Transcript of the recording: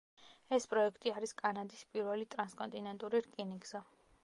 ეს პროექტი არის კანადის პირველი ტრანსკონტინენტური რკინიგზა.